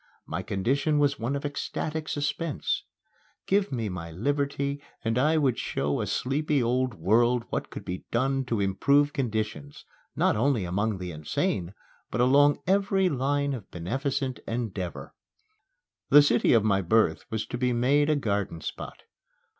My condition was one of ecstatic suspense. Give me my liberty and I would show a sleepy old world what could be done to improve conditions, not only among the insane, but along every line of beneficent endeavor. The city of my birth was to be made a garden spot.